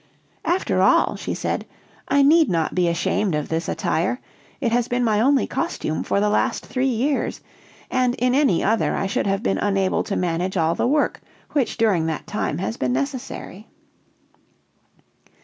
"After all," she said, "I need not be ashamed of this attire; it has been my only costume for the last three years, and in any other I should have been unable to manage all the work which during that time has been necessary."